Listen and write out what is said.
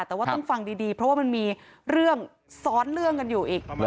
แต่ว่าต้องฟังดีเพราะว่ามันมีเรื่องซ้อนเรื่องกันอยู่อีก